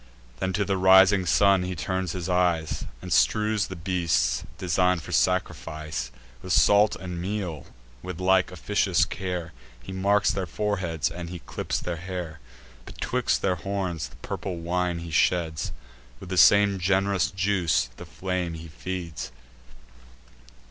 Then to the rising sun he turns his eyes, And strews the beasts, design'd for sacrifice, With salt and meal: with like officious care He marks their foreheads, and he clips their hair. Betwixt their horns the purple wine he sheds; With the same gen'rous juice the flame he feeds.